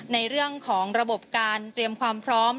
ในเรื่องของระบบการเตรียมความพร้อม